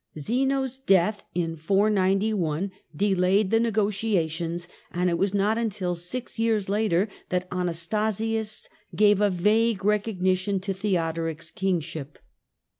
Zeno's death in 491 delayed the negotiations, and it was not till six years later that Anastasius gave a vague recog nition to Theodoric's kingship.